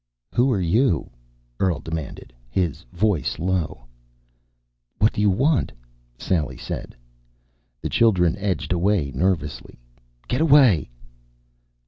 "Who are you?" Earl demanded, his voice low. "What do you want?" Sally said. The children edged away nervously. "Get away."